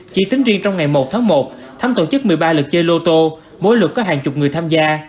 chỉ tính riêng trong ngày một tháng một thấm tổ chức một mươi ba lượt chơi lô tô mỗi lượt có hàng chục người tham gia